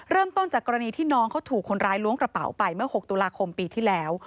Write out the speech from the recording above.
เริ่มต้นจากกรณีที่น้องเขาถูกคนร้ายล้วงกระเป๋าไปเมื่อ๖ตุลาคมปีที่แล้ว